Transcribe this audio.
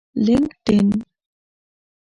لینکډین